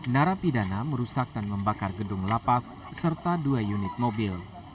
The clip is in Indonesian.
narapidana merusak dan membakar gedung lapas serta dua unit mobil